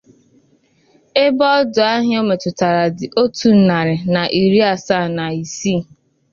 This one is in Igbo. ebe ọdụ ahịa o metụtara dị otu narị na iri asaa na isii.